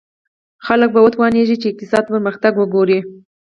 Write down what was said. خلک به وتوانېږي چې اقتصادي پرمختګ وګوري.